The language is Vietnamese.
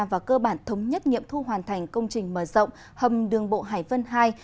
và cơ bản thống nhất nghiệm thu hoàn thành công trình mở rộng hầm đường bộ hải vân hai